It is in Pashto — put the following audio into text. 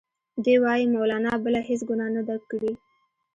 دوی وايي مولنا بله هیڅ ګناه نه ده کړې.